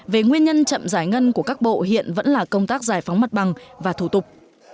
về nguyên nhân chậm giải ngân của các bộ hiện vẫn là công tác giải phóng mặt bằng và thủ tục